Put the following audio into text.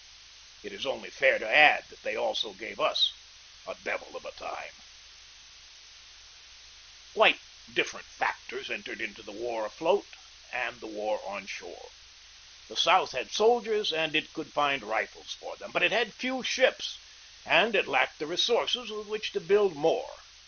It is only fair to add that they also gave us a " devil of a time." BEGINNING OF THE CIVIL WAR 4S Quite different factors entered into the war afloat and the war on shore. The South had soldiers, and it could find rifles for them. But it had few ships, and it lacked the resources with which to build more.